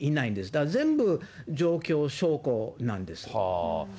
だから全部状況証拠なんです。